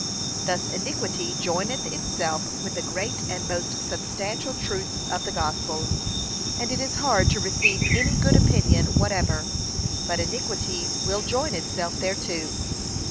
Thus iniquity joineth itself with the great and most substantial truths of the gospel, and it is hard to receive any good opinion whatever, but iniquity will join itself thereto.